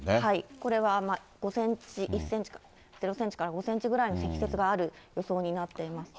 これは５センチ、１センチか、０センチから５センチぐらいの積雪がある予想になっていますね。